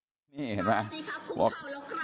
ช่วยตัวเองหน่อยซิคะเดือนออกประตูไปค่ะ